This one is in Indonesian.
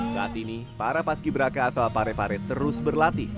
saat ini para paski braka asal pare pare terus berlatih